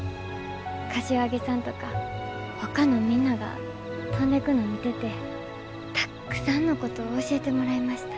柏木さんとかほかのみんなが飛んでくの見ててたっくさんのことを教えてもらいました。